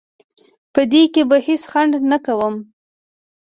په دې کې به هیڅ ځنډ نه کوم.